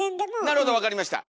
なるほどわかりました！